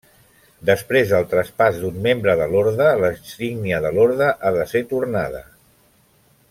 Després del traspàs d'un membre de l'orde, la insígnia de l'orde ha de ser tornada.